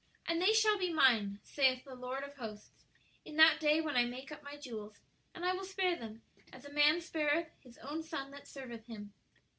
"And they shall be mine, saith the Lord of hosts, in that day when I make up my jewels; and I will spare them, as a man spareth his own son that serveth him."